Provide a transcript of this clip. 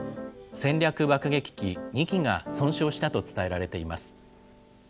戦略爆撃機２機が損傷したと伝えられています。